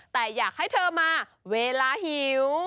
แต่อยากให้เธอมาเวลาหิว